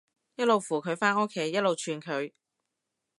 一路扶佢返屋企，一路串佢